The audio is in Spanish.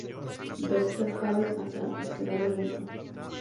Dexter Haven a tan esperado evento.